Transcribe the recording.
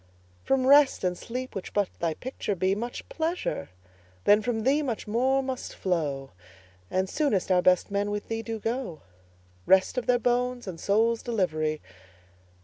From Rest and Sleep, which but thy picture be, Much pleasure, then from thee much more must flow; And soonest our best men with thee do go Rest of their bones and souls' delivery!